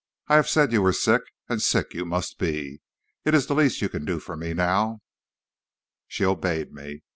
I have said you were sick, and sick you must be. It is the least you can do for me now.' "She obeyed me.